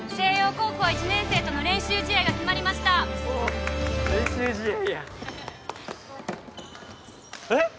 高校１年生との練習試合が決まりました・おお練習試合やえっ！？